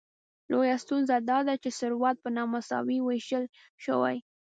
لویه ستونزه داده چې ثروت په نامساوي ویشل شوی.